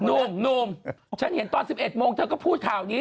หนุ่มฉันเห็นตอน๑๑โมงเธอก็พูดข่าวนี้